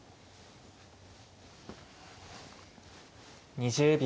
２０秒。